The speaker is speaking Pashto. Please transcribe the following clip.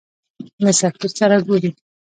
له سفیر سره ګورې.